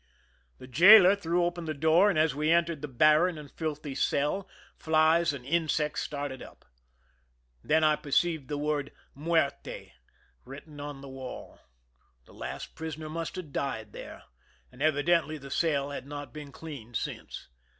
The jailer threw open the door, and as we entered the barren and filthy cell, flies and insects started up. Then I perceived the word " Muerte " written on the wall. The last prisoner must have died there, and evidently the cell had not been cleaned since.